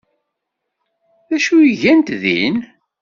D acu ay gant din?